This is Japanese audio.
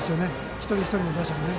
一人一人の打者にね。